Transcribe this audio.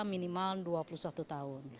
minimal dua puluh satu tahun